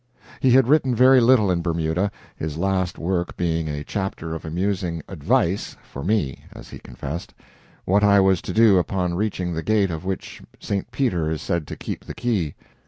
He had written very little in Bermuda his last work being a chapter of amusing "Advice" for me, as he confessed what I was to do upon reaching the gate of which St. Peter is said to keep the key.